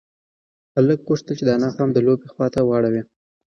هلک غوښتل چې د انا پام د لوبې خواته واړوي.